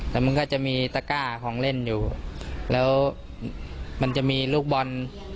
แล้วมันก็จะมีตะก้าของเล่นอยู่แล้วมันจะมีลูกบอล